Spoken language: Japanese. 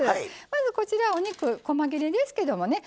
まずこちらお肉こま切れですけどもね